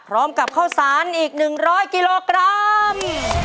พร้อมกับข้าวสารอีก๑๐๐กิโลกรัม